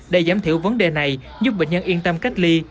để giảm thiểu vấn đề này giúp bệnh nhân yên tâm cách ly